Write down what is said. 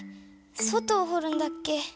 外をほるんだっけ？